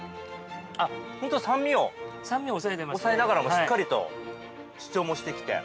あっ、本当酸味を抑えながらもしっかりと主張もしてきて。